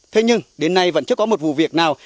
thế nhưng đến nay vẫn chưa có một vụ việc nào